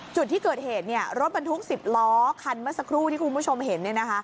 จุดที่เกิดเหตุรถบรรทุก๑๐ล้อคันเมื่อสักครู่ที่คุณผู้ชมเห็น